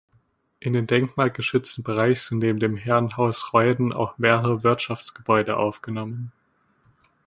In den denkmalgeschützten Bereich sind neben dem Herrenhaus Reuden auch mehrere Wirtschaftsgebäude aufgenommen.